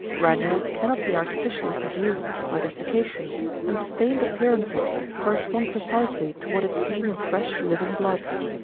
Granules cannot be artificially produced, by desiccation, and the stained appearances correspond precisely to what is seen in fresh living blood.